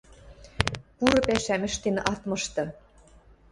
Пуры пӓшӓм ӹштен ат мышты...